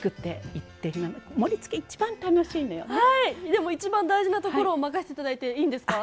でも一番大事なところを任せて頂いていいんですか？